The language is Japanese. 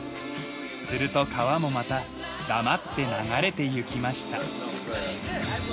「すると川もまただまって流れてゆきました」。